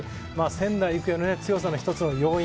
仙台育英の強さの要因